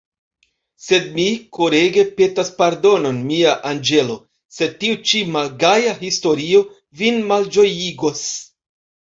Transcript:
Sed mi korege petas pardonon, mia anĝelo, se tiu ĉi malgaja historio vin malĝojigos.